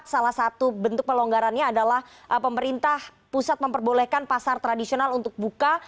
salah satu bentuk pelonggarannya adalah pemerintah pusat memperbolehkan pasar tradisional untuk buka